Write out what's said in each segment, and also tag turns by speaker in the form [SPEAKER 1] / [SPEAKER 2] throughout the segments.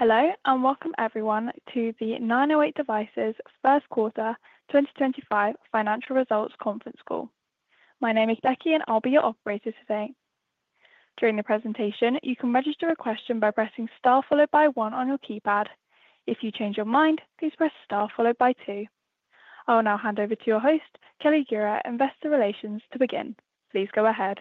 [SPEAKER 1] Hello and welcome everyone to the 908 Devices First Quarter 2025 Financial Results Conference Call. My name is Becky, and I'll be your operator today. During the presentation, you can register a question by pressing star followed by one on your keypad. If you change your mind, please press star followed by two. I'll now hand over to your host, Kelly Gura, Investor Relations, to begin. Please go ahead.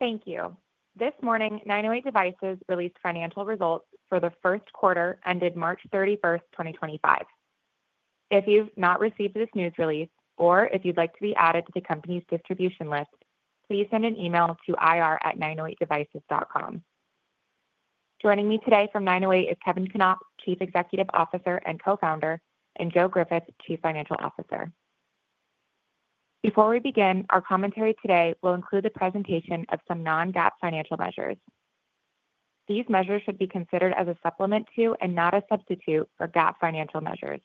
[SPEAKER 2] Thank you. This morning, 908 Devices released financial results for the first quarter ended March 31st, 2025. If you've not received this news release, or if you'd like to be added to the company's distribution list, please send an email to ir@908devices.com. Joining me today from 908 is Kevin Knopp, Chief Executive Officer and Co-Founder, and Joe Griffith, Chief Financial Officer. Before we begin, our commentary today will include the presentation of some non-GAAP financial measures. These measures should be considered as a supplement to and not a substitute for GAAP financial measures.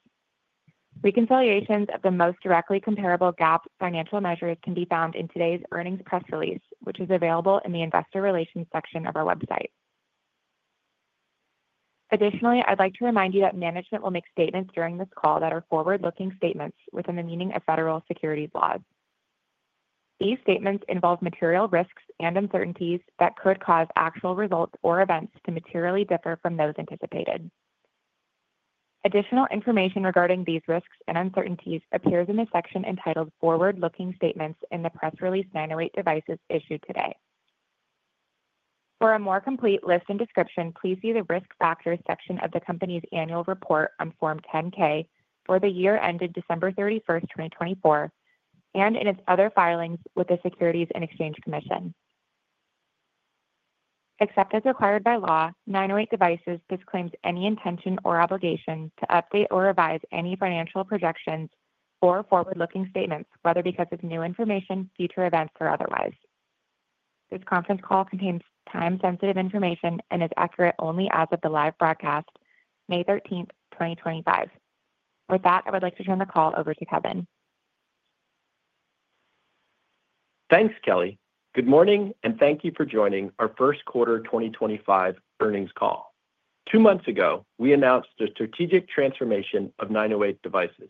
[SPEAKER 2] Reconciliations of the most directly comparable GAAP financial measures can be found in today's earnings press release, which is available in the Investor Relations section of our website. Additionally, I'd like to remind you that management will make statements during this call that are forward-looking statements within the meaning of federal securities laws. These statements involve material risks and uncertainties that could cause actual results or events to materially differ from those anticipated. Additional information regarding these risks and uncertainties appears in the section entitled Forward-Looking Statements in the Press Release 908 Devices issued today. For a more complete list and description, please see the risk factors section of the company's annual report on Form 10-K for the year ended December 31, 2024, and in its other filings with the Securities and Exchange Commission. Except as required by law, 908 Devices disclaims any intention or obligation to update or revise any financial projections or forward-looking statements, whether because of new information, future events, or otherwise. This conference call contains time-sensitive information and is accurate only as of the live broadcast, May 13th, 2025. With that, I would like to turn the call over to Kevin.
[SPEAKER 3] Thanks, Kelly. Good morning, and thank you for joining our First Quarter 2025 earnings call. Two months ago, we announced a strategic transformation of 908 Devices.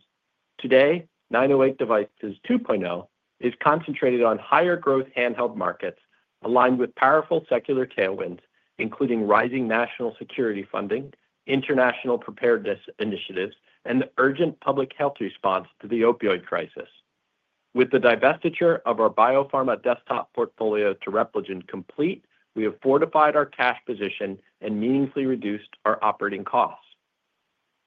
[SPEAKER 3] Today, 908 Devices 2.0 is concentrated on higher growth handheld markets aligned with powerful secular tailwinds, including rising national security funding, international preparedness initiatives, and the urgent public health response to the opioid crisis. With the divestiture of our biopharma desktop portfolio to Repligen complete, we have fortified our cash position and meaningfully reduced our operating costs.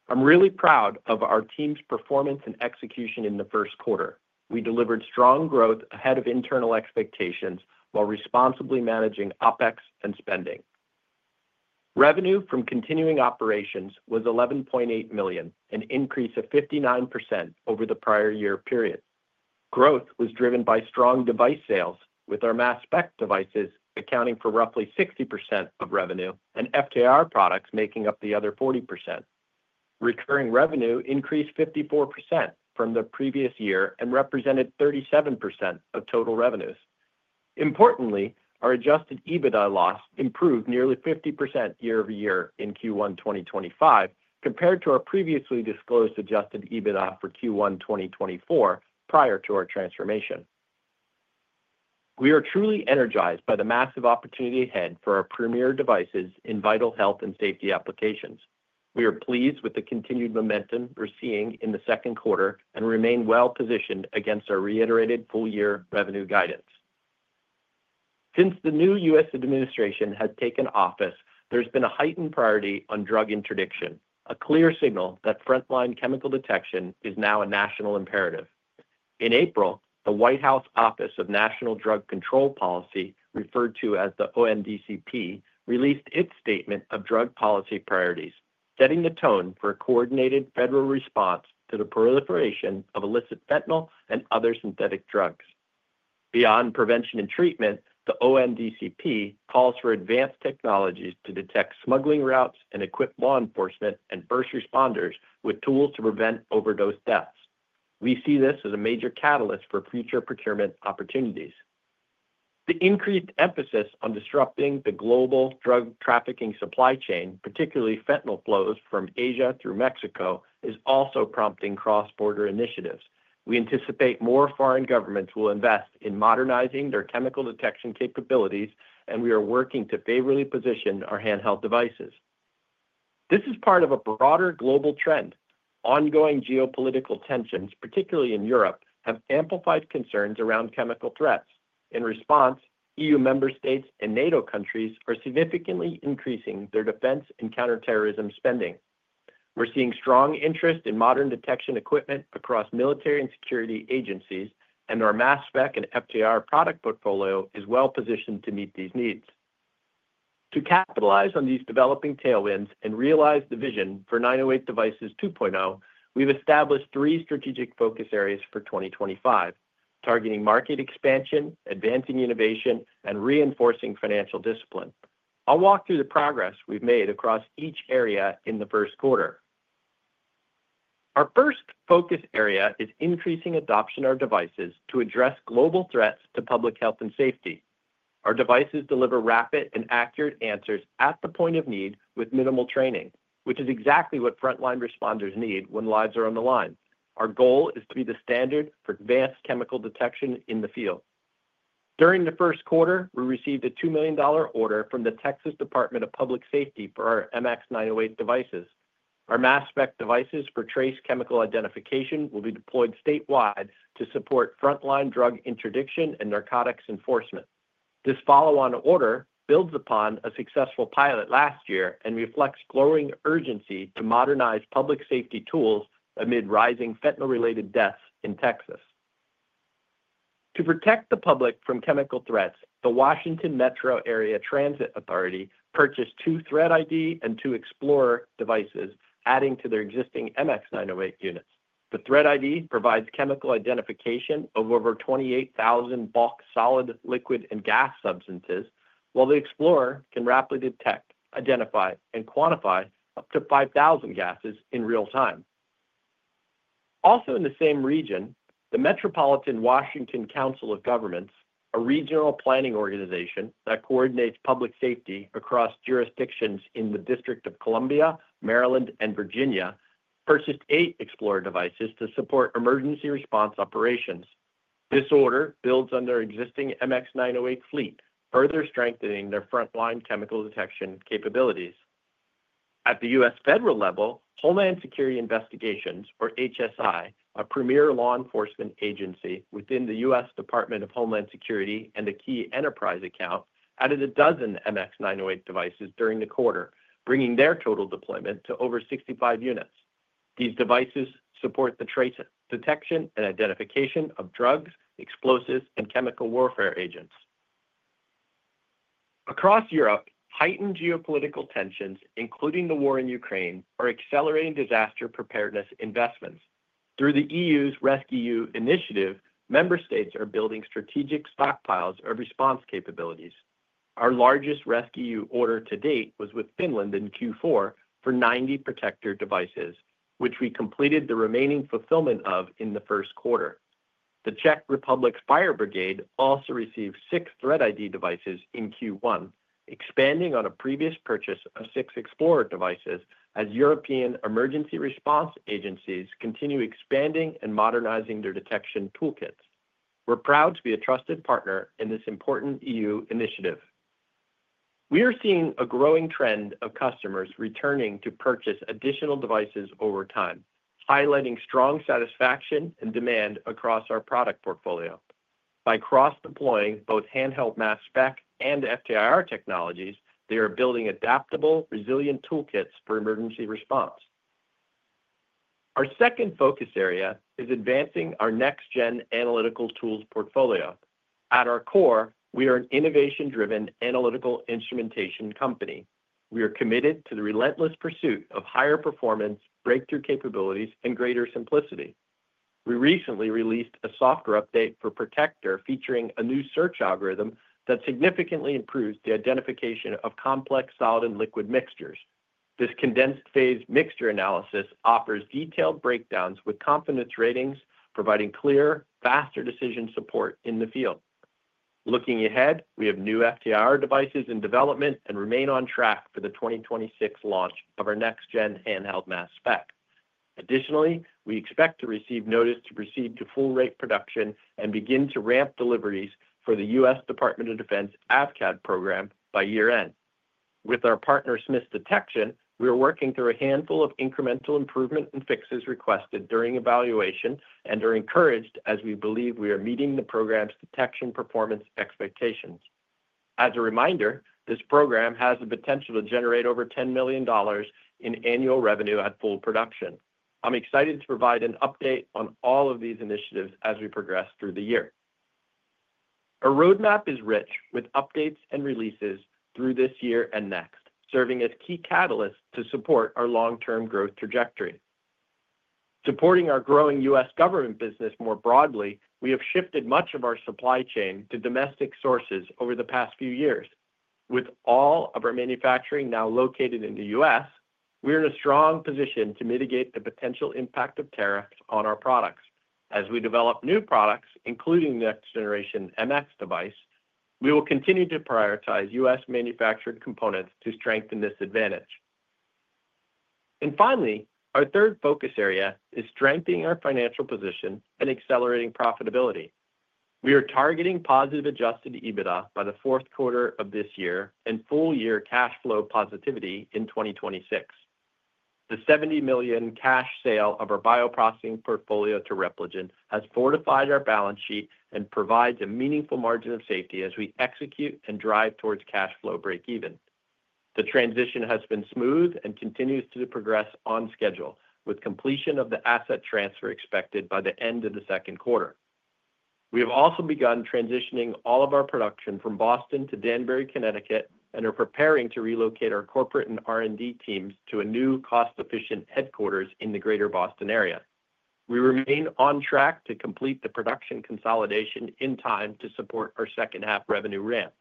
[SPEAKER 3] I'm really proud of our team's performance and execution in the first quarter. We delivered strong growth ahead of internal expectations while responsibly managing OpEX and spending. Revenue from continuing operations was $11.8 million, an increase of 59% over the prior year period. Growth was driven by strong device sales, with our mass spec devices accounting for roughly 60% of revenue and FTIR products making up the other 40%. Recurring revenue increased 54% from the previous year and represented 37% of total revenues. Importantly, our adjusted EBITDA loss improved nearly 50% year over year in Q1 2025 compared to our previously disclosed adjusted EBITDA for Q1 2024 prior to our transformation. We are truly energized by the massive opportunity ahead for our premier devices in vital health and safety applications. We are pleased with the continued momentum we're seeing in the second quarter and remain well positioned against our reiterated full-year revenue guidance. Since the new U.S. administration has taken office, there's been a heightened priority on drug interdiction, a clear signal that frontline chemical detection is now a national imperative. In April, the White House Office of National Drug Control Policy, referred to as the ONDCP, released its statement of drug policy priorities, setting the tone for a coordinated federal response to the proliferation of illicit fentanyl and other synthetic drugs. Beyond prevention and treatment, the ONDCP calls for advanced technologies to detect smuggling routes and equip law enforcement and first responders with tools to prevent overdose deaths. We see this as a major catalyst for future procurement opportunities. The increased emphasis on disrupting the global drug trafficking supply chain, particularly fentanyl flows from Asia through Mexico, is also prompting cross-border initiatives. We anticipate more foreign governments will invest in modernizing their chemical detection capabilities, and we are working to favorably position our handheld devices. This is part of a broader global trend. Ongoing geopolitical tensions, particularly in Europe, have amplified concerns around chemical threats. In response, EU member states and NATO countries are significantly increasing their defense and counterterrorism spending. We're seeing strong interest in modern detection equipment across military and security agencies, and our mass spec and FTIR product portfolio is well positioned to meet these needs. To capitalize on these developing tailwinds and realize the vision for 908 Devices 2.0, we've established three strategic focus areas for 2025, targeting market expansion, advancing innovation, and reinforcing financial discipline. I'll walk through the progress we've made across each area in the first quarter. Our first focus area is increasing adoption of our devices to address global threats to public health and safety. Our devices deliver rapid and accurate answers at the point of need with minimal training, which is exactly what frontline responders need when lives are on the line. Our goal is to be the standard for advanced chemical detection in the field. During the first quarter, we received a $2 million order from the Texas Department of Public Safety for our MX908 devices. Our mass spec devices for trace chemical identification will be deployed statewide to support frontline drug interdiction and narcotics enforcement. This follow-on order builds upon a successful pilot last year and reflects growing urgency to modernize public safety tools amid rising fentanyl-related deaths in Texas. To protect the public from chemical threats, the Washington Metro Area Transit Authority purchased two ThreatID and two XplorIR devices, adding to their existing MX908 units. The ThreatID provides chemical identification of over 28,000 bulk solid, liquid, and gas substances, while theXplorIR can rapidly detect, identify, and quantify up to 5,000 gases in real time. Also in the same region, the Metropolitan Washington Council of Governments, a regional planning organization that coordinates public safety across jurisdictions in the District of Columbia, Maryland, and Virginia, purchased eight XplorIR devices to support emergency response operations. This order builds on their existing MX908 fleet, further strengthening their frontline chemical detection capabilities. At the U.S. federal level, Homeland Security Investigations, or HSI, a premier law enforcement agency within the U.S. Department of Homeland Security and a key enterprise account, added a dozen MX908 devices during the quarter, bringing their total deployment to over 65 units. These devices support the trace, detection, and identification of drugs, explosives, and chemical warfare agents. Across Europe, heightened geopolitical tensions, including the war in Ukraine, are accelerating disaster preparedness investments. Through the EU's RescEU initiative, member states are building strategic stockpiles of response capabilities. Our largest RescEU order to date was with Finland in Q4 for 90 Protector devices, which we completed the remaining fulfillment of in the first quarter. The Czech Republic's Fire Brigade also received six ThreatID devices in Q1, expanding on a previous purchase of six XplorIR devices as European emergency response agencies continue expanding and modernizing their detection toolkits. We're proud to be a trusted partner in this important EU initiative. We are seeing a growing trend of customers returning to purchase additional devices over time, highlighting strong satisfaction and demand across our product portfolio. By cross-deploying both handheld mass spec and FTIR technologies, they are building adaptable, resilient toolkits for emergency response. Our second focus area is advancing our next-gen analytical tools portfolio. At our core, we are an innovation-driven analytical instrumentation company. We are committed to the relentless pursuit of higher performance, breakthrough capabilities, and greater simplicity. We recently released a software update for Protector featuring a new search algorithm that significantly improves the identification of complex solid and liquid mixtures. This condensed phase mixture analysis offers detailed breakdowns with confidence ratings, providing clear, faster decision support in the field. Looking ahead, we have new FTIR devices in development and remain on track for the 2026 launch of our next-gen handheld mass spec. Additionally, we expect to receive notice to proceed to full-rate production and begin to ramp deliveries for the U.S. Department of Defense AFCAD program by year-end. With our partner Smith's Detection, we are working through a handful of incremental improvement and fixes requested during evaluation and are encouraged as we believe we are meeting the program's detection performance expectations. As a reminder, this program has the potential to generate over $10 million in annual revenue at full production. I'm excited to provide an update on all of these initiatives as we progress through the year. Our roadmap is rich with updates and releases through this year and next, serving as key catalysts to support our long-term growth trajectory. Supporting our growing U.S. government business more broadly, we have shifted much of our supply chain to domestic sources over the past few years. With all of our manufacturing now located in the U.S., we are in a strong position to mitigate the potential impact of tariffs on our products. As we develop new products, including the next-generation MX device, we will continue to prioritize U.S. manufactured components to strengthen this advantage. Finally, our third focus area is strengthening our financial position and accelerating profitability. We are targeting positive adjusted EBITDA by the fourth quarter of this year and full-year cash flow positivity in 2026. The $70 million cash sale of our bioprocessing portfolio to Repligen has fortified our balance sheet and provides a meaningful margin of safety as we execute and drive towards cash flow break-even. The transition has been smooth and continues to progress on schedule, with completion of the asset transfer expected by the end of the second quarter. We have also begun transitioning all of our production from Boston to Danbury, Connecticut, and are preparing to relocate our corporate and R&D teams to a new cost-efficient headquarters in the Greater Boston area. We remain on track to complete the production consolidation in time to support our second-half revenue ramp.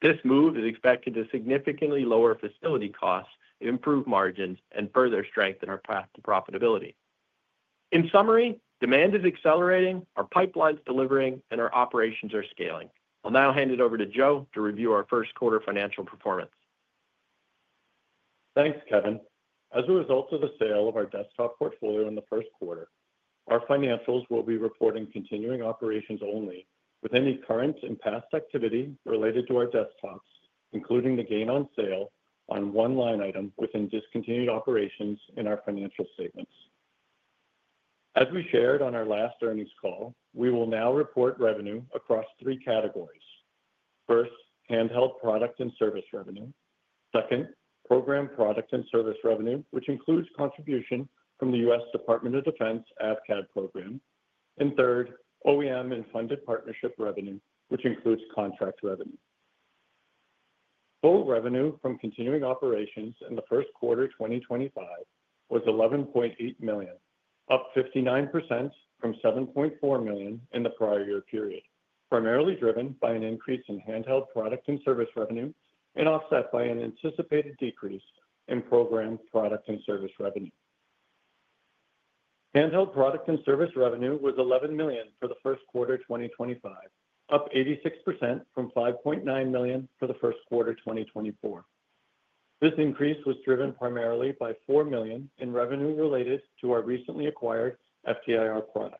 [SPEAKER 3] This move is expected to significantly lower facility costs, improve margins, and further strengthen our path to profitability. In summary, demand is accelerating, our pipeline's delivering, and our operations are scaling. I'll now hand it over to Joe to review our first quarter financial performance.
[SPEAKER 4] Thanks, Kevin. As a result of the sale of our desktop portfolio in the first quarter, our financials will be reporting continuing operations only, with any current and past activity related to our desktops, including the gain on sale, on one line item within discontinued operations in our financial statements. As we shared on our last earnings call, we will now report revenue across three categories. First, handheld product and service revenue. Second, program product and service revenue, which includes contribution from the U.S. Department of Defense AFCAD program. Third, OEM and funded partnership revenue, which includes contract revenue. Full revenue from continuing operations in the first quarter 2025 was $11.8 million, up 59% from $7.4 million in the prior year period, primarily driven by an increase in handheld product and service revenue and offset by an anticipated decrease in program product and service revenue. Handheld product and service revenue was $11 million for the first quarter 2025, up 86% from $5.9 million for the first quarter 2024. This increase was driven primarily by $4 million in revenue related to our recently acquired FTIR products.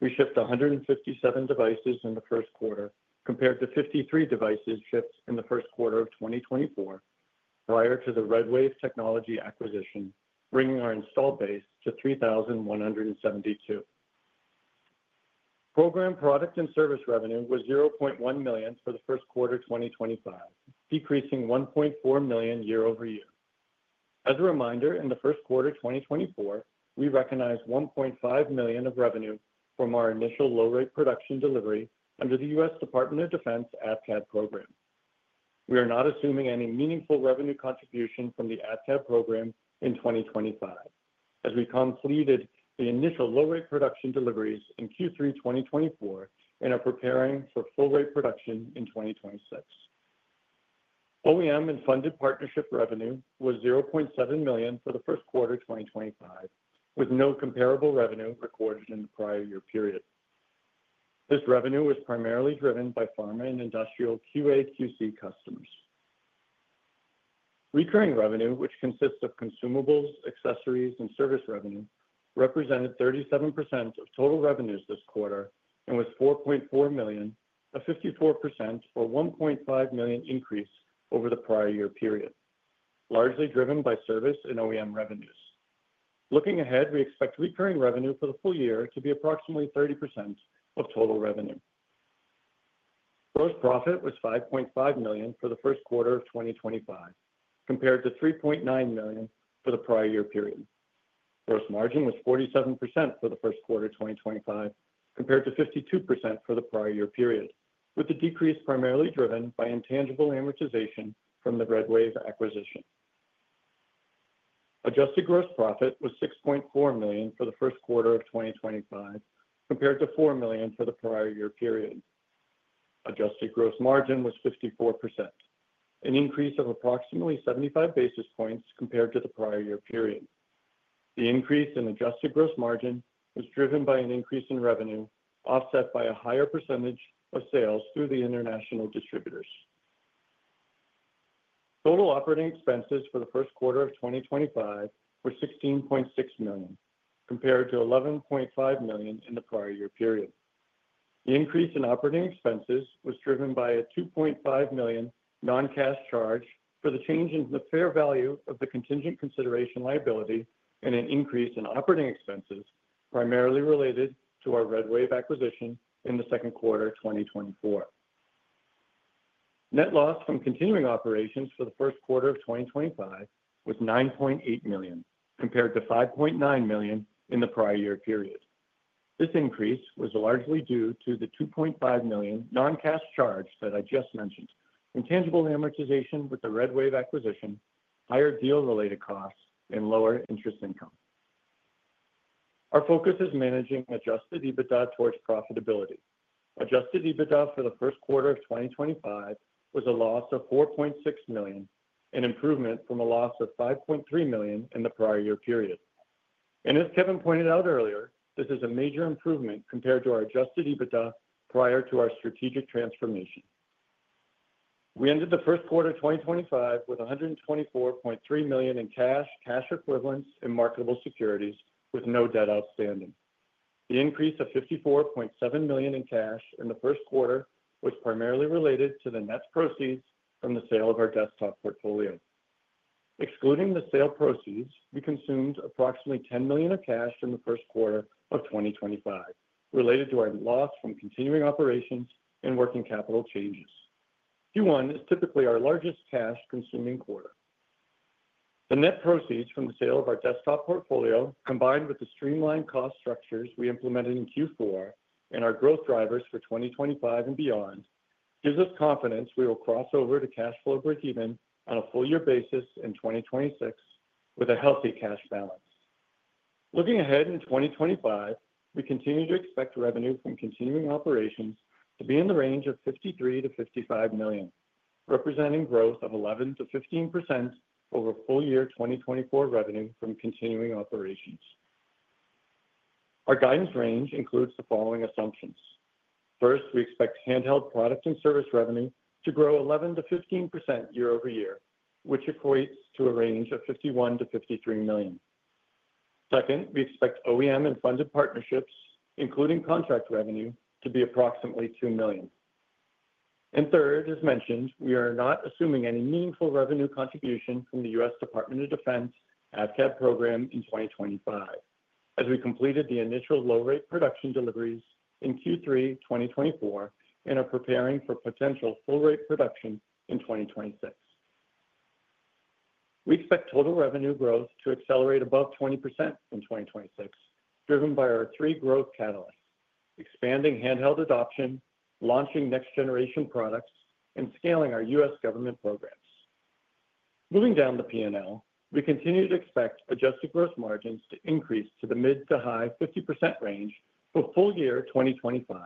[SPEAKER 4] We shipped 157 devices in the first quarter, compared to 53 devices shipped in the first quarter of 2024 prior to the RedWave technology acquisition, bringing our installed base to 3,172. Program product and service revenue was $0.1 million for the first quarter 2025, decreasing $1.4 million year over year. As a reminder, in the first quarter 2024, we recognized $1.5 million of revenue from our initial low-rate production delivery under the U.S. Department of Defense AFCAD program. We are not assuming any meaningful revenue contribution from the AFCAD program in 2025, as we completed the initial low-rate production deliveries in Q3 2024 and are preparing for full-rate production in 2026. OEM and funded partnership revenue was $0.7 million for the first quarter 2025, with no comparable revenue recorded in the prior year period. This revenue was primarily driven by pharma and industrial QAQC customers. Recurring revenue, which consists of consumables, accessories, and service revenue, represented 37% of total revenues this quarter and was $4.4 million, a 54% or $1.5 million increase over the prior year period, largely driven by service and OEM revenues. Looking ahead, we expect recurring revenue for the full year to be approximately 30% of total revenue. Gross profit was $5.5 million for the first quarter of 2025, compared to $3.9 million for the prior year period. Gross margin was 47% for the first quarter 2025, compared to 52% for the prior year period, with the decrease primarily driven by intangible amortization from the RedWave acquisition. Adjusted gross profit was $6.4 million for the first quarter of 2025, compared to $4 million for the prior year period. Adjusted gross margin was 54%, an increase of approximately 75 basis points compared to the prior year period. The increase in adjusted gross margin was driven by an increase in revenue offset by a higher percentage of sales through the international distributors. Total operating expenses for the first quarter of 2025 were $16.6 million, compared to $11.5 million in the prior year period. The increase in operating expenses was driven by a $2.5 million non-cash charge for the change in the fair value of the contingent consideration liability and an increase in operating expenses primarily related to our RedWave acquisition in the second quarter 2024. Net loss from continuing operations for the first quarter of 2025 was $9.8 million, compared to $5.9 million in the prior year period. This increase was largely due to the $2.5 million non-cash charge that I just mentioned, intangible amortization with the RedWave acquisition, higher deal-related costs, and lower interest income. Our focus is managing adjusted EBITDA towards profitability. Adjusted EBITDA for the first quarter of 2025 was a loss of $4.6 million, an improvement from a loss of $5.3 million in the prior year period. As Kevin pointed out earlier, this is a major improvement compared to our adjusted EBITDA prior to our strategic transformation. We ended the first quarter 2025 with $124.3 million in cash, cash equivalents, and marketable securities with no debt outstanding. The increase of $54.7 million in cash in the first quarter was primarily related to the net proceeds from the sale of our desktop portfolio. Excluding the sale proceeds, we consumed approximately $10 million of cash in the first quarter of 2025, related to our loss from continuing operations and working capital changes. Q1 is typically our largest cash-consuming quarter. The net proceeds from the sale of our desktop portfolio, combined with the streamlined cost structures we implemented in Q4 and our growth drivers for 2025 and beyond, gives us confidence we will cross over to cash flow break-even on a full-year basis in 2026 with a healthy cash balance. Looking ahead in 2025, we continue to expect revenue from continuing operations to be in the range of $53 million-$55 million, representing growth of 11%-15% over full-year 2024 revenue from continuing operations. Our guidance range includes the following assumptions. First, we expect handheld product and service revenue to grow 11%-15% year over year, which equates to a range of $51 million-$53 million. Second, we expect OEM and funded partnerships, including contract revenue, to be approximately $2 million. Third, as mentioned, we are not assuming any meaningful revenue contribution from the U.S. Department of Defense AFCAD program in 2025, as we completed the initial low-rate production deliveries in Q3 2024 and are preparing for potential full-rate production in 2026. We expect total revenue growth to accelerate above 20% in 2026, driven by our three growth catalysts: expanding handheld adoption, launching next-generation products, and scaling our U.S. government programs. Moving down the P&L, we continue to expect adjusted gross margins to increase to the mid to high 50% range for full-year 2025,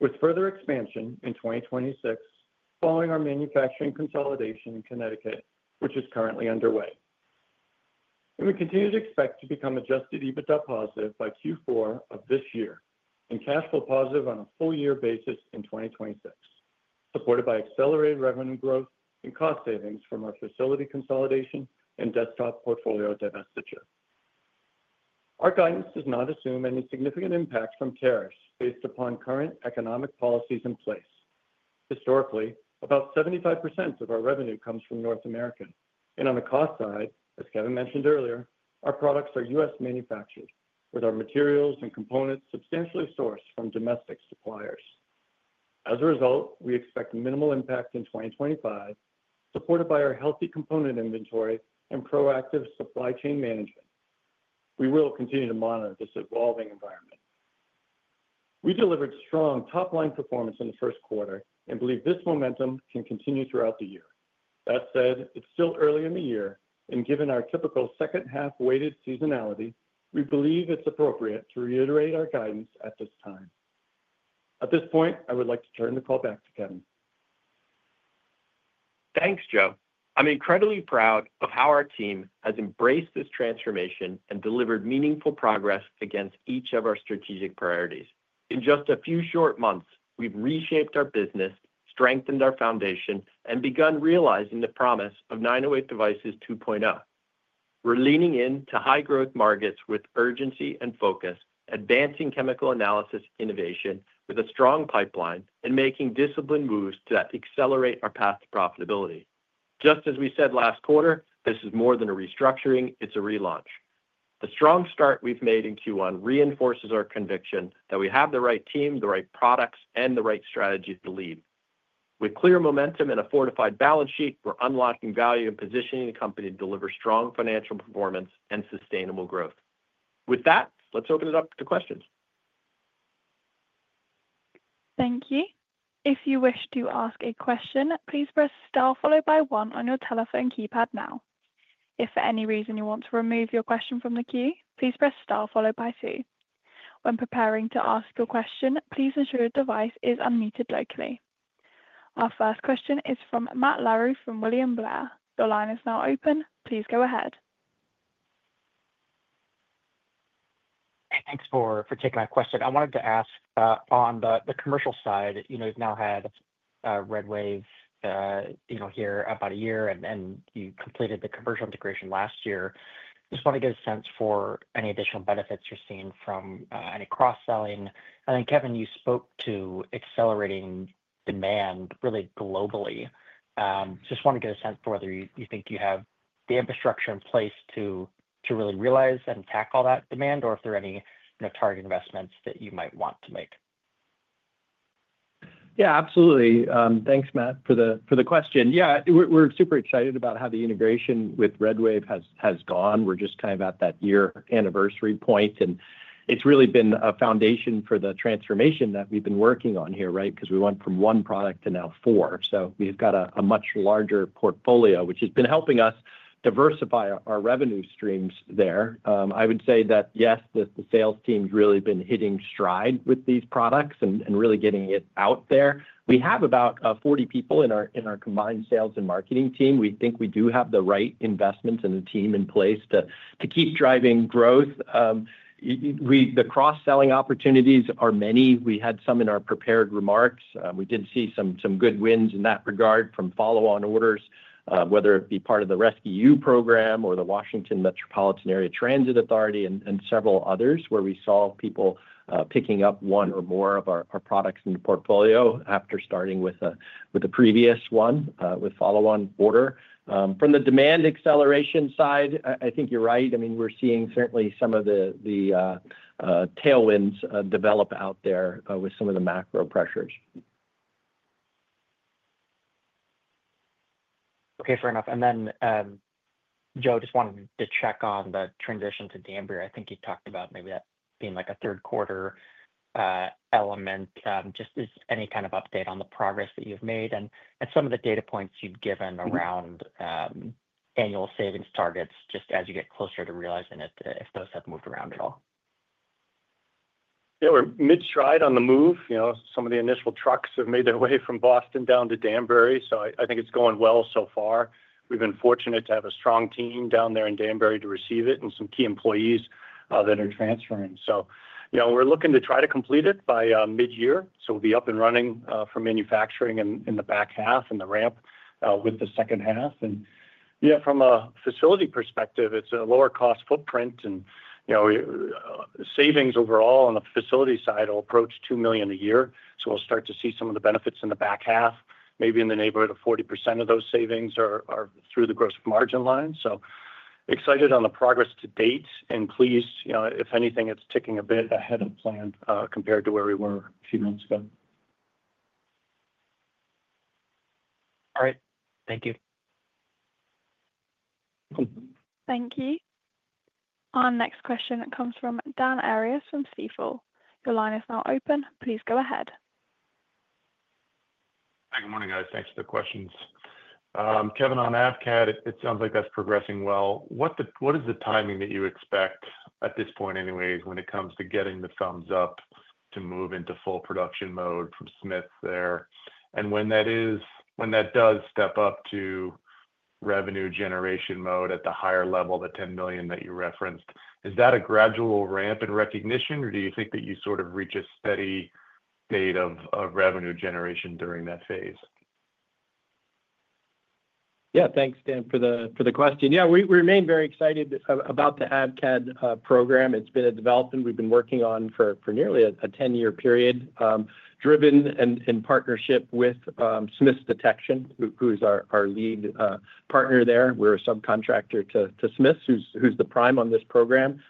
[SPEAKER 4] with further expansion in 2026 following our manufacturing consolidation in Connecticut, which is currently underway. We continue to expect to become adjusted EBITDA positive by Q4 of this year and cash flow positive on a full-year basis in 2026, supported by accelerated revenue growth and cost savings from our facility consolidation and desktop portfolio divestiture. Our guidance does not assume any significant impact from tariffs based upon current economic policies in place. Historically, about 75% of our revenue comes from North America. On the cost side, as Kevin mentioned earlier, our products are U.S. manufactured, with our materials and components substantially sourced from domestic suppliers. As a result, we expect minimal impact in 2025, supported by our healthy component inventory and proactive supply chain management. We will continue to monitor this evolving environment. We delivered strong top-line performance in the first quarter and believe this momentum can continue throughout the year. That said, it's still early in the year, and given our typical second-half weighted seasonality, we believe it's appropriate to reiterate our guidance at this time. At this point, I would like to turn the call back to Kevin.
[SPEAKER 3] Thanks, Joe. I'm incredibly proud of how our team has embraced this transformation and delivered meaningful progress against each of our strategic priorities. In just a few short months, we've reshaped our business, strengthened our foundation, and begun realizing the promise of 908 Devices 2.0. We're leaning into high-growth markets with urgency and focus, advancing chemical analysis innovation with a strong pipeline and making disciplined moves that accelerate our path to profitability. Just as we said last quarter, this is more than a restructuring; it's a relaunch. The strong start we've made in Q1 reinforces our conviction that we have the right team, the right products, and the right strategy to lead. With clear momentum and a fortified balance sheet, we're unlocking value and positioning the company to deliver strong financial performance and sustainable growth. With that, let's open it up to questions.
[SPEAKER 1] Thank you. If you wish to ask a question, please press star followed by one on your telephone keypad now. If for any reason you want to remove your question from the queue, please press star followed by two. When preparing to ask your question, please ensure your device is unmuted locally. Our first question is from Matt Larew from William Blair. Your line is now open. Please go ahead.
[SPEAKER 5] Thanks for taking my question. I wanted to ask on the commercial side, you know, you've now had RedWave here about a year, and you completed the commercial integration last year. Just want to get a sense for any additional benefits you're seeing from any cross-selling. I think, Kevin, you spoke to accelerating demand really globally. Just want to get a sense for whether you think you have the infrastructure in place to really realize and tackle that demand, or if there are any target investments that you might want to make.
[SPEAKER 3] Yeah, absolutely. Thanks, Matt, for the question. Yeah, we're super excited about how the integration with RedWave has gone. We're just kind of at that year anniversary point, and it's really been a foundation for the transformation that we've been working on here, right? Because we went from one product to now four. So we've got a much larger portfolio, which has been helping us diversify our revenue streams there. I would say that, yes, the sales team has really been hitting stride with these products and really getting it out there. We have about 40 people in our combined sales and marketing team. We think we do have the right investments and the team in place to keep driving growth. The cross-selling opportunities are many. We had some in our prepared remarks. We did see some good wins in that regard from follow-on orders, whether it be part of the RescEU program or the Washington Metropolitan Area Transit Authority and several others where we saw people picking up one or more of our products in the portfolio after starting with the previous one with follow-on order. From the demand acceleration side, I think you're right. I mean, we're seeing certainly some of the tailwinds develop out there with some of the macro pressures.
[SPEAKER 5] Okay, fair enough. Joe, I just wanted to check on the transition to Danbury. I think you talked about maybe that being like a third-quarter element. Just any kind of update on the progress that you've made and some of the data points you've given around annual savings targets just as you get closer to realizing if those have moved around at all.
[SPEAKER 4] Yeah, we're mid-stride on the move. You know, some of the initial trucks have made their way from Boston down to Danbury, so I think it's going well so far. We've been fortunate to have a strong team down there in Danbury to receive it and some key employees that are transferring. So, you know, we're looking to try to complete it by mid-year. We'll be up and running for manufacturing in the back half and the ramp with the second half. Yeah, from a facility perspective, it's a lower cost footprint and, you know, savings overall on the facility side will approach $2 million a year. We'll start to see some of the benefits in the back half, maybe in the neighborhood of 40% of those savings are through the gross margin line. Excited on the progress to date and pleased, you know, if anything, it's ticking a bit ahead of plan compared to where we were a few months ago.
[SPEAKER 5] All right. Thank you.
[SPEAKER 1] Thank you. Our next question comes from Dan Arias from Stifel. Your line is now open. Please go ahead.
[SPEAKER 6] Hi, good morning, guys. Thanks for the questions. Kevin, on AFCAD, it sounds like that's progressing well. What is the timing that you expect at this point anyways when it comes to getting the thumbs up to move into full production mode from Smith there? When that does step up to revenue generation mode at the higher level, the $10 million that you referenced, is that a gradual ramp in recognition, or do you think that you sort of reach a steady state of revenue generation during that phase?
[SPEAKER 3] Yeah, thanks, Dan, for the question. Yeah, we remain very excited about the AFCAD program. It's been a development we've been working on for nearly a 10-year period, driven in partnership with Smith's Detection, who's our lead partner there. We're a subcontractor to Smith's, who's the prime on this program.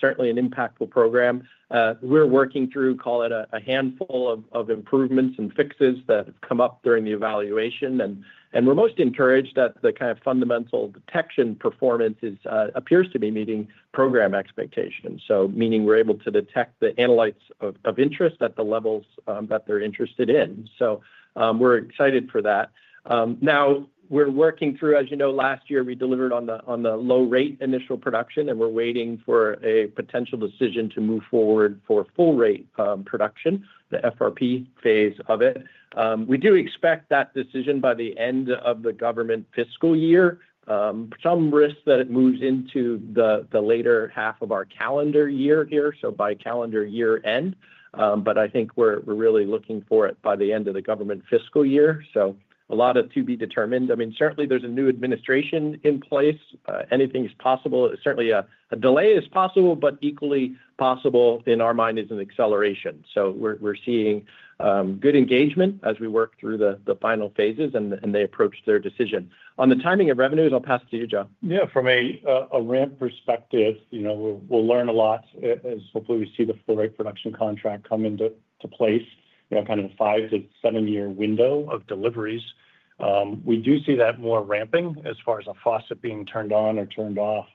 [SPEAKER 3] Certainly an impactful program. We're working through, call it a handful of improvements and fixes that have come up during the evaluation. We're most encouraged that the kind of fundamental detection performance appears to be meeting program expectations. Meaning we're able to detect the analytes of interest at the levels that they're interested in. We're excited for that. Now, we're working through, as you know, last year we delivered on the low-rate initial production, and we're waiting for a potential decision to move forward for full-rate production, the FRP phase of it. We do expect that decision by the end of the government fiscal year. Some risk that it moves into the later half of our calendar year here, so by calendar year end. I think we're really looking for it by the end of the government fiscal year. A lot of to be determined. I mean, certainly there's a new administration in place. Anything is possible. Certainly a delay is possible, but equally possible in our mind is an acceleration. We're seeing good engagement as we work through the final phases and they approach their decision. On the timing of revenues, I'll pass it to you, Joe.
[SPEAKER 4] Yeah, from a ramp perspective, you know, we'll learn a lot as hopefully we see the full-rate production contract come into place, you know, kind of a five- to seven-year window of deliveries. We do see that more ramping as far as a faucet being turned on or turned off,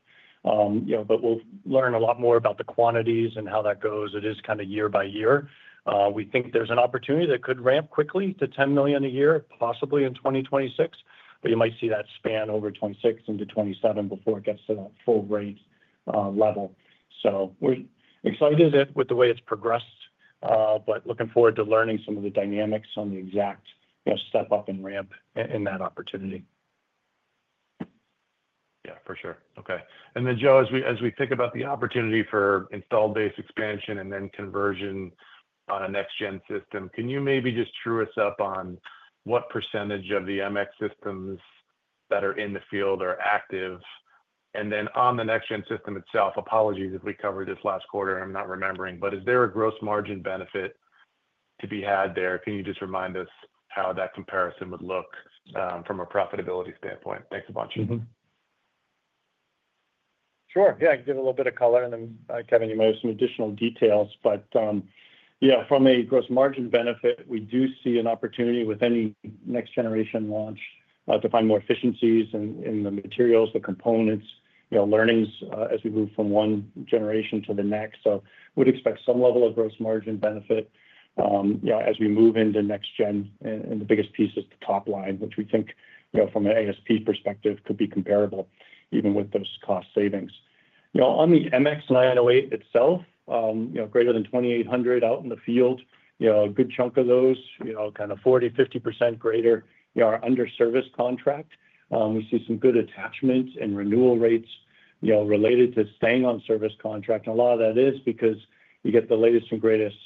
[SPEAKER 4] you know, but we'll learn a lot more about the quantities and how that goes. It is kind of year by year. We think there's an opportunity that could ramp quickly to $10 million a year, possibly in 2026, but you might see that span over 2026 into 2027 before it gets to that full-rate level. We are excited with the way it's progressed, but looking forward to learning some of the dynamics on the exact step up and ramp in that opportunity.
[SPEAKER 6] Yeah, for sure. Okay. And then, Joe, as we think about the opportunity for installed-base expansion and then conversion on a next-gen system, can you maybe just true us up on what percentage of the MX systems that are in the field are active? And then on the next-gen system itself, apologies if we covered this last quarter, I'm not remembering, but is there a gross margin benefit to be had there? Can you just remind us how that comparison would look from a profitability standpoint? Thanks a bunch.
[SPEAKER 4] Sure. Yeah, I can give a little bit of color and then, Kevin, you might have some additional details. Yeah, from a gross margin benefit, we do see an opportunity with any next-generation launch to find more efficiencies in the materials, the components, you know, learnings as we move from one generation to the next. We would expect some level of gross margin benefit, you know, as we move into next-gen. The biggest piece is the top line, which we think, you know, from an ASP perspective, could be comparable even with those cost savings. You know, on the MX908 itself, greater than 2,800 out in the field, a good chunk of those, you know, kind of 40-50% greater, are under service contract. We see some good attachments and renewal rates, you know, related to staying on service contract. A lot of that is because you get the latest and greatest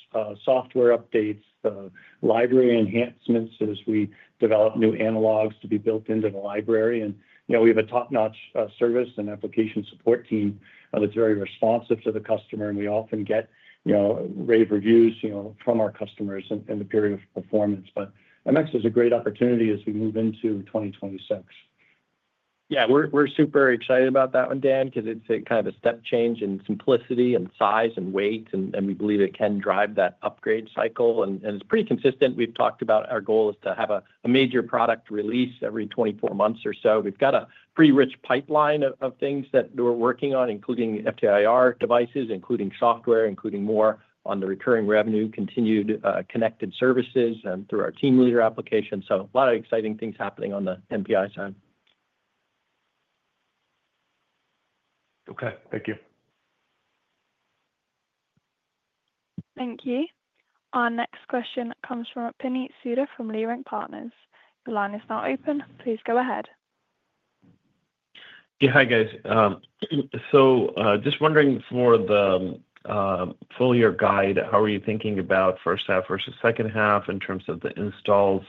[SPEAKER 4] software updates, the library enhancements as we develop new analogs to be built into the library. You know, we have a top-notch service and application support team that's very responsive to the customer. We often get, you know, rave reviews, you know, from our customers in the period of performance. MX is a great opportunity as we move into 2026. Yeah, we're super excited about that one, Dan, because it's kind of a step change in simplicity and size and weight. We believe it can drive that upgrade cycle. It's pretty consistent. We've talked about our goal is to have a major product release every 24 months or so. We've got a pretty rich pipeline of things that we're working on, including FTIR devices, including software, including more on the recurring revenue, continued connected services through our team leader application. A lot of exciting things happening on the MPI side.
[SPEAKER 6] Okay, thank you.
[SPEAKER 1] Thank you. Our next question comes from Puneet Souda from Leerink Partners. The line is now open. Please go ahead.
[SPEAKER 7] Yeah, hi guys. Just wondering for the full-year guide, how are you thinking about first half versus second half in terms of the installs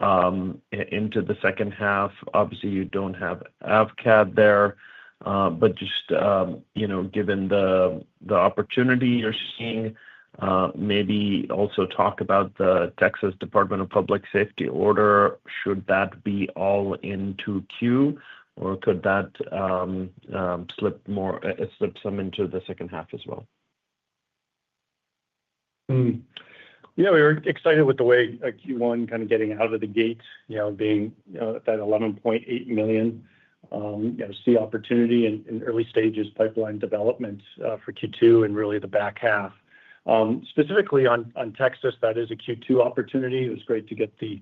[SPEAKER 7] into the second half? Obviously, you do not have AFCAD there, but just, you know, given the opportunity you are seeing, maybe also talk about the Texas Department of Public Safety order. Should that be all into Q2, or could that slip some into the second half as well?
[SPEAKER 3] Yeah, we were excited with the way Q1 kind of getting out of the gate, you know, being that $11.8 million, you know, see opportunity in early stages pipeline development for Q2 and really the back half. Specifically on Texas, that is a Q2 opportunity. It was great to get the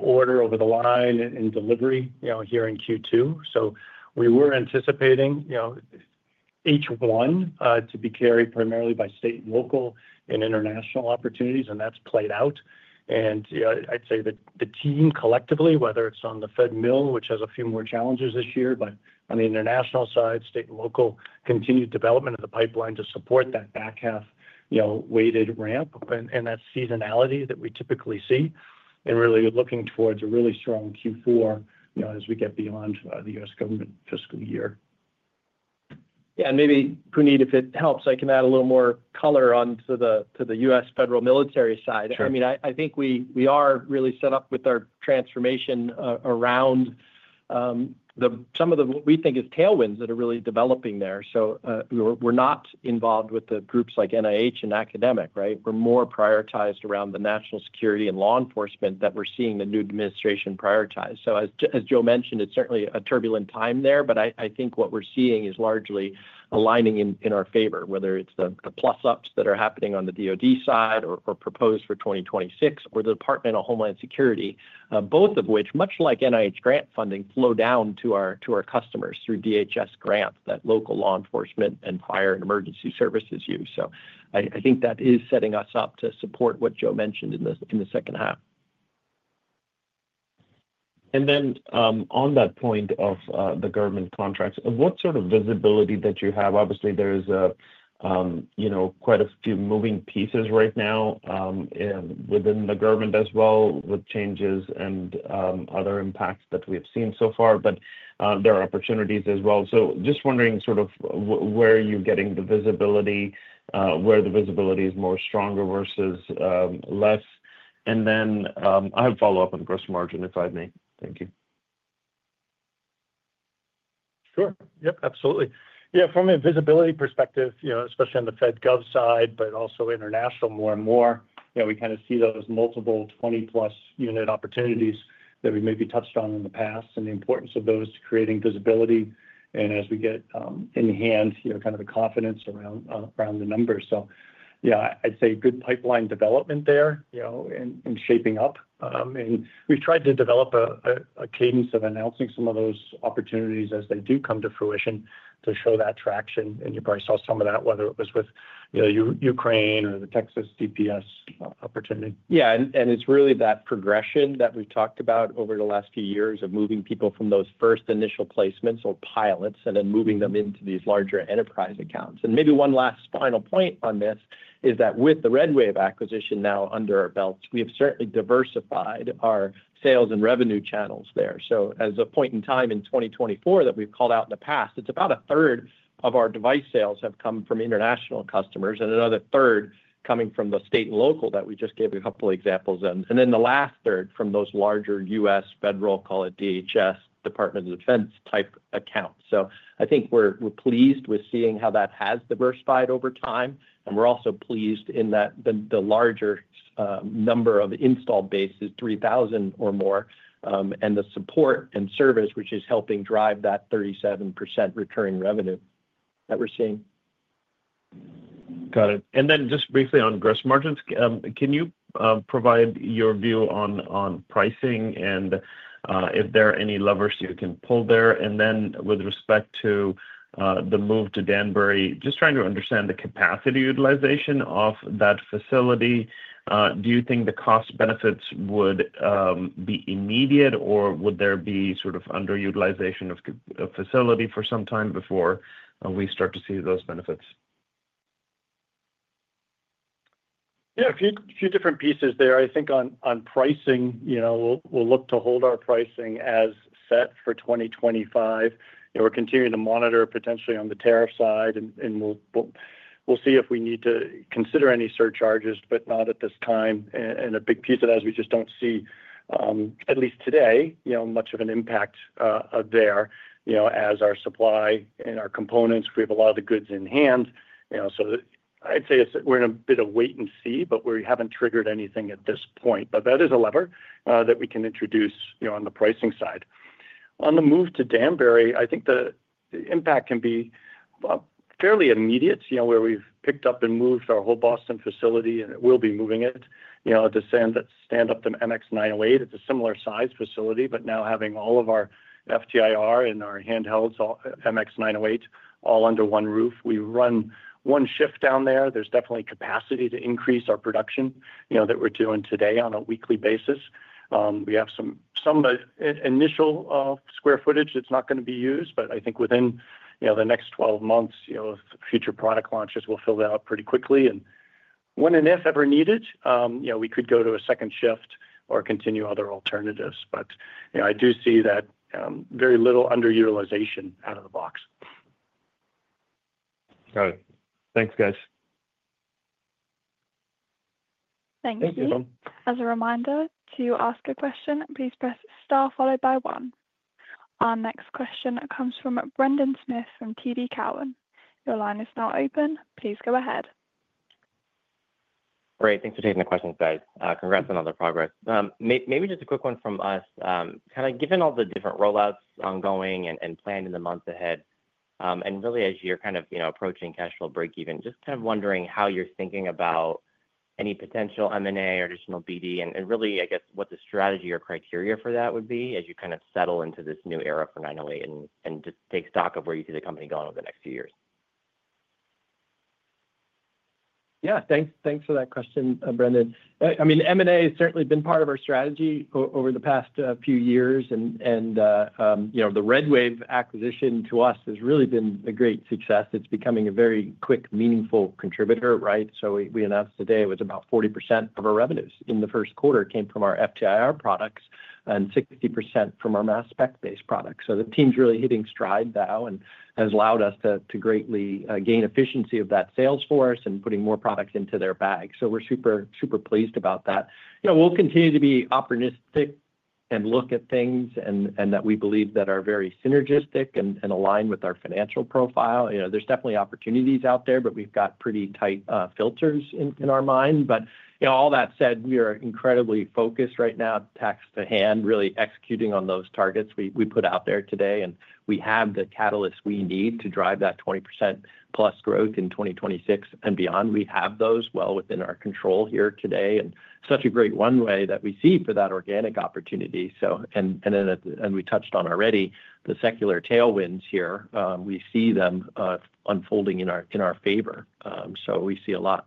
[SPEAKER 3] order over the line and delivery, you know, here in Q2. We were anticipating, you know, H1 to be carried primarily by state and local and international opportunities, and that's played out. I'd say that the team collectively, whether it's on the Fed mill, which has a few more challenges this year, but on the international side, state and local continued development of the pipeline to support that back half, you know, weighted ramp and that seasonality that we typically see, and really looking towards a really strong Q4, you know, as we get beyond the U.S. government fiscal year.
[SPEAKER 4] Yeah, and maybe, Puneet, if it helps, I can add a little more color onto the U.S. federal military side. I mean, I think we are really set up with our transformation around some of what we think is tailwinds that are really developing there. We're not involved with the groups like NIH and academic, right? We're more prioritized around the national security and law enforcement that we're seeing the new administration prioritize. As Joe mentioned, it's certainly a turbulent time there, but I think what we're seeing is largely aligning in our favor, whether it's the plus-ups that are happening on the DOD side or proposed for 2026, or the Department of Homeland Security, both of which, much like NIH grant funding, flow down to our customers through DHS grants that local law enforcement and fire and emergency services use. I think that is setting us up to support what Joe mentioned in the second half.
[SPEAKER 7] On that point of the government contracts, what sort of visibility that you have? Obviously, there is, you know, quite a few moving pieces right now within the government as well with changes and other impacts that we have seen so far, but there are opportunities as well. Just wondering sort of where are you getting the visibility, where the visibility is more stronger versus less? I have follow-up on gross margin, if I may. Thank you.
[SPEAKER 4] Sure. Yep, absolutely. Yeah, from a visibility perspective, you know, especially on the FedGov side, but also international more and more, you know, we kind of see those multiple 20-plus unit opportunities that we maybe touched on in the past and the importance of those to creating visibility. As we get in hand, you know, kind of the confidence around the numbers. Yeah, I'd say good pipeline development there, you know, in shaping up. We have tried to develop a cadence of announcing some of those opportunities as they do come to fruition to show that traction. You probably saw some of that, whether it was with, you know, Ukraine or the Texas DPS opportunity. Yeah, and it's really that progression that we've talked about over the last few years of moving people from those first initial placements or pilots and then moving them into these larger enterprise accounts. Maybe one last final point on this is that with the RedWave acquisition now under our belts, we have certainly diversified our sales and revenue channels there. As a point in time in 2024 that we've called out in the past, it's about a third of our device sales have come from international customers and another third coming from the state and local that we just gave a couple of examples of. The last third from those larger U.S. federal, call it DHS, Department of Defense type accounts. I think we're pleased with seeing how that has diversified over time. We're also pleased in that the larger number of installed bases, 3,000 or more, and the support and service, which is helping drive that 37% recurring revenue that we're seeing.
[SPEAKER 7] Got it. And then just briefly on gross margins, can you provide your view on pricing and if there are any levers you can pull there? And then with respect to the move to Danbury, just trying to understand the capacity utilization of that facility, do you think the cost benefits would be immediate or would there be sort of underutilization of facility for some time before we start to see those benefits?
[SPEAKER 4] Yeah, a few different pieces there. I think on pricing, you know, we'll look to hold our pricing as set for 2025. You know, we're continuing to monitor potentially on the tariff side and we'll see if we need to consider any surcharges, but not at this time. A big piece of that is we just don't see, at least today, you know, much of an impact there, you know, as our supply and our components, we have a lot of the goods in hand. You know, I'd say we're in a bit of wait and see, but we haven't triggered anything at this point. That is a lever that we can introduce, you know, on the pricing side. On the move to Danbury, I think the impact can be fairly immediate, you know, where we've picked up and moved our whole Boston facility and we'll be moving it, you know, to stand up the MX908. It's a similar size facility, but now having all of our FTIR and our handhelds, MX908, all under one roof, we run one shift down there. There's definitely capacity to increase our production, you know, that we're doing today on a weekly basis. We have some initial square footage that's not going to be used, but I think within, you know, the next 12 months, you know, future product launches will fill that out pretty quickly. When and if ever needed, you know, we could go to a second shift or continue other alternatives. You know, I do see that very little underutilization out of the box.
[SPEAKER 7] Got it. Thanks, guys.
[SPEAKER 1] Thank you.
[SPEAKER 3] Thank you, everyone.
[SPEAKER 1] As a reminder, to ask a question, please press star followed by one. Our next question comes from Brendan Smith from TD Cowen. Your line is now open. Please go ahead.
[SPEAKER 8] Great. Thanks for taking the question, guys. Congrats on all the progress. Maybe just a quick one from us. Kind of given all the different rollouts ongoing and planned in the months ahead, and really as you're kind of, you know, approaching cash flow breakeven, just kind of wondering how you're thinking about any potential M&A or additional BD and really, I guess, what the strategy or criteria for that would be as you kind of settle into this new era for 908 and just take stock of where you see the company going over the next few years.
[SPEAKER 4] Yeah, thanks for that question, Brendan. I mean, M&A has certainly been part of our strategy over the past few years. And, you know, the RedWave acquisition to us has really been a great success. It's becoming a very quick, meaningful contributor, right? We announced today it was about 40% of our revenues in the first quarter came from our FTIR products and 60% from our mass spec-based products. The team's really hitting stride now and has allowed us to greatly gain efficiency of that sales force and putting more products into their bag. We're super, super pleased about that. You know, we'll continue to be optimistic and look at things that we believe are very synergistic and aligned with our financial profile. You know, there's definitely opportunities out there, but we've got pretty tight filters in our mind. You know, all that said, we are incredibly focused right now, task at hand, really executing on those targets we put out there today. We have the catalysts we need to drive that 20%+ growth in 2026 and beyond. We have those well within our control here today. Such a great runway that we see for that organic opportunity. We touched on already the secular tailwinds here. We see them unfolding in our favor. We see a lot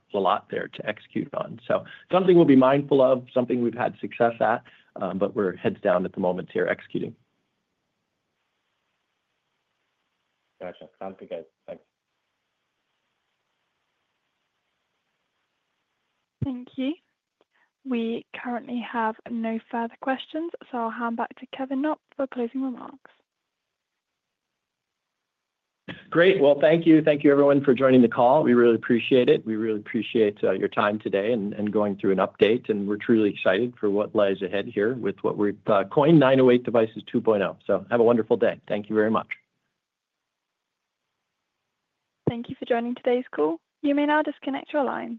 [SPEAKER 4] there to execute on. Something we'll be mindful of, something we've had success at, but we're heads down at the moment here executing.
[SPEAKER 8] Gotcha. Sounds good, guys. Thanks.
[SPEAKER 1] Thank you. We currently have no further questions, so I'll hand back to Kevin Knopp for closing remarks.
[SPEAKER 3] Great. Thank you. Thank you, everyone, for joining the call. We really appreciate it. We really appreciate your time today and going through an update. We're truly excited for what lies ahead here with what we're calling 908 Devices 2.0. Have a wonderful day. Thank you very much.
[SPEAKER 1] Thank you for joining today's call. You may now disconnect your line.